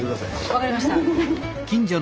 分かりました。